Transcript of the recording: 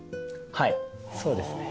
はいそうですね。